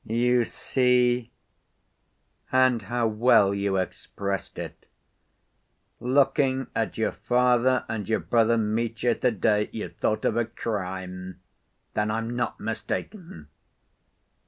"You see? (And how well you expressed it!) Looking at your father and your brother Mitya to‐day you thought of a crime. Then I'm not mistaken?"